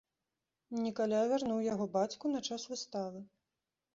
Нікаля вярнуў яго бацьку на час выставы.